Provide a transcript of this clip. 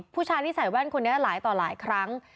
ผู้ชายที่ใส่แว่นคนนี้หลายต่อหลายครั้ง